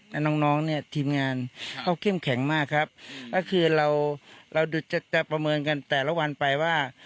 แล้วน้องน้องเนี่ยทีมงานเขาเข้มแข็งมากครับก็คือเราเราดูจะจะประเมินกันแต่ละวันไปว่า